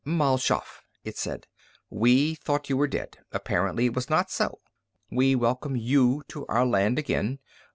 "Mal Shaff," it said, "we thought you were dead. Apparently it was not so. We welcome you to our land again.